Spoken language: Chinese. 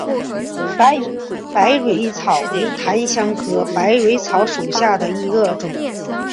白云百蕊草为檀香科百蕊草属下的一个种。